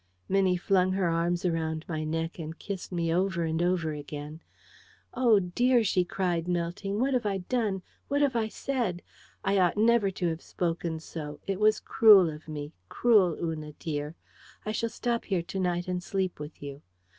Minnie flung her arms around my neck, and kissed me over and over again. "Oh, dear!" she cried, melting. "What have I done? What have I said? I ought never to have spoken so. It was cruel of me cruel, Una dear. I shall stop here to night, and sleep with you."